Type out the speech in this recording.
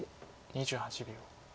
２８秒。